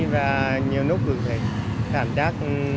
và nhiều lúc cũng thấy cảm giác